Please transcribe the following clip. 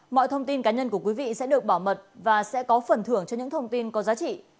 mọi thông tin cá nhân của quý vị sẽ được bảo mật và sẽ có phần thưởng cho những thông tin có giá trị